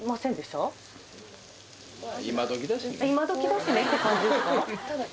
「今どきだしね」って感じですか？